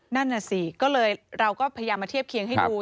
นั่นน่ะสิก็เลยเราก็พยายามมาเทียบเคียงให้ดู